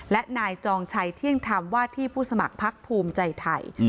และนายจองชัยเที่ยงธรรมว่าที่ผู้สมัครพักภูมิใจไทย